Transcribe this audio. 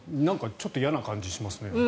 ちょっと嫌な感じがしますね。